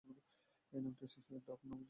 এই নামটি এসেছে ডাফ নামক বাদ্যযন্ত্র থেকে।